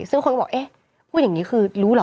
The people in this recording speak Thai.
ซึ่งคนก็บอกเอ๊ะพูดอย่างนี้คือรู้เหรอ